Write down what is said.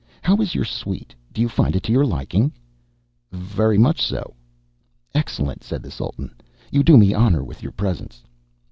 "How is your suite? You find it to your liking?" "Very much so." "Excellent," said the Sultan. "You do me honor with your presence."